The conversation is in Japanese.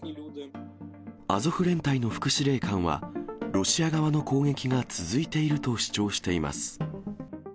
アゾフ連隊の副司令官は、ロシア側の攻撃が続いていると主張しています。